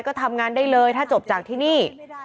ก็เป็นสถานที่ตั้งมาเพลงกุศลศพให้กับน้องหยอดนะคะ